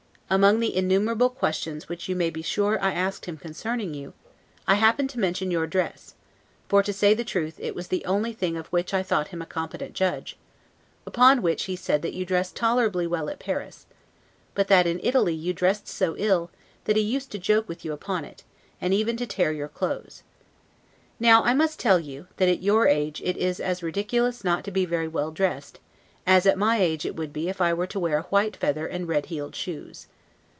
Among the innumerable questions which you may be sure I asked him concerning you, I happened to mention your dress (for, to say the truth, it was the only thing of which I thought him a competent judge) upon which he said that you dressed tolerably well at Paris; but that in Italy you dressed so ill, that he used to joke with you upon it, and even to tear your clothes. Now, I must tell you, that at your age it is as ridiculous not to be very well dressed, as at my age it would be if I were to wear a white feather and red heeled shoes.